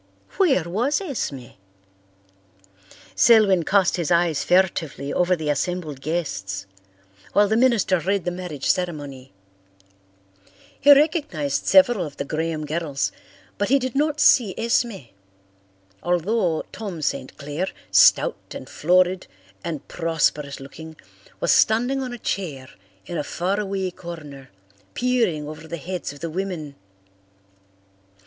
Where was Esme? Selwyn cast his eyes furtively over the assembled guests while the minister read the marriage ceremony. He recognized several of the Graham girls but he did not see Esme, although Tom St. Clair, stout and florid and prosperous looking, was standing on a chair in a faraway corner, peering over the heads of the women.